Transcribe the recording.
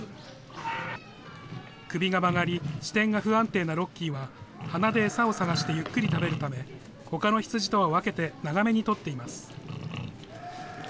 首が曲がり、視点が不安定なロッキーは、鼻で餌を探してゆっくり食べるため、ほかの羊とは分けて長めにとっています。